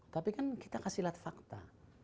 tapi kan kita kasih lihat fakta